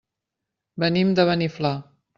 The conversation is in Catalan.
Venim de Beniflà.